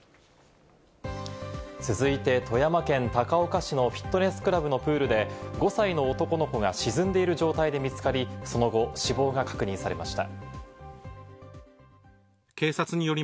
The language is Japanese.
続いて、富山県高岡市のフィットネスクラブのプールで５歳の男の子が沈んでいる状態で見つかり、その後、死亡が確認されました。